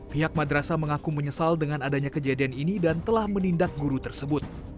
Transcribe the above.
pihak madrasah mengaku menyesal dengan adanya kejadian ini dan telah menindak guru tersebut